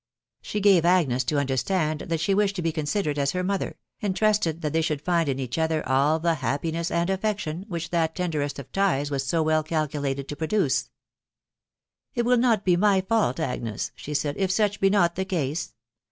She gave Agnes to understand that she wished to be considered as her mother, and trusted that they should find in each other all the happiness and affection w\iic\v \h&\ taoder mt of ties warn so well calculated to produce. THE WIDOW BARNABY. 67 " It will not be my fault, Agnes/' she said, " if such be not the case.